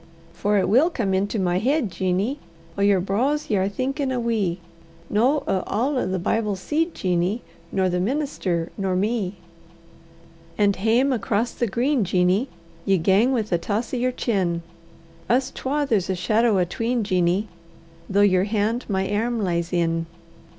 ] For it will come into my heid, Jeanie, O' yer braws ye are thinkin' a wee; No' a' o' the Bible seed, Jeanie, Nor the minister nor me. [Footnote 1: Bravery; finery.] And hame across the green, Jeanie, Ye gang wi' a toss o' yer chin: Us twa there's a shadow atween, Jeanie, Though yer hand my airm lies in.